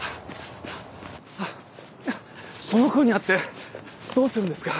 その子に会ってどうするんですか？